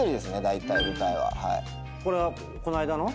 これはこの間の？